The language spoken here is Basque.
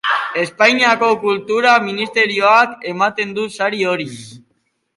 Espainiako Kultura Ministerioak ematen du sari hori.